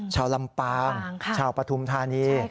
ชาวลำปางชาวปฐุมธานี